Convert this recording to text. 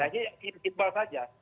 jadi simpel saja